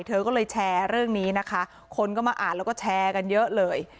เธอก็เลยแชร์เรื่องนี้นะคะคนก็มาอ่านแล้วก็แชร์กันเยอะเลย